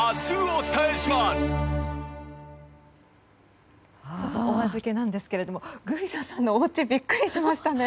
お預けなんですけどグビザさんのおうちビックリしましたね。